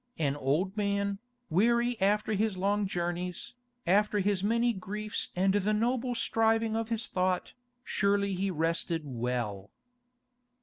An old man, weary after his long journeys, after his many griefs and the noble striving of his thought, surely he rested well.